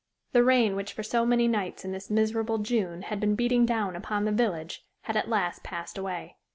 The rain which for so many nights in this miserable June had been beating down upon the village had at last passed away.